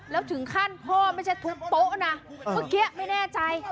แล้วถึงขั้นพ่อไม่ใช่ทุบโต๊ะนะเมื่อกี้ไม่แน่ใจ